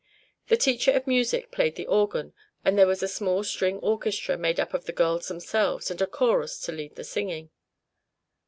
The teacher of music played the organ, and there was a small string orchestra made up of the girls themselves, and a chorus to lead the singing.